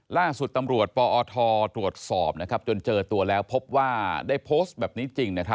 ล่าสุดตำรวจปอทตรวจสอบจนเจอตัวแล้วพบว่าได้โพสต์แบบนี้จริง